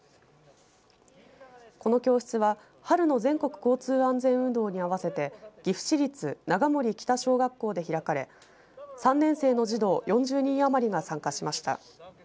この教室は春の全国交通安全運動に合わせて岐阜市立長森北小学校で開かれ３年生の児童４０人余りが参加しました。